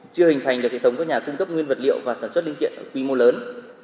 chưa hình thành được hệ thống các nhà cung cấp nguyên vật liệu và sản xuất linh kiện ở quy mô lớn